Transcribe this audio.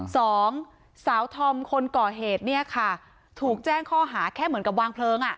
สองสาวธอมคนก่อเหตุเนี่ยค่ะถูกแจ้งข้อหาแค่เหมือนกับวางเพลิงอ่ะ